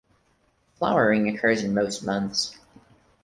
Flowering occurs in most months.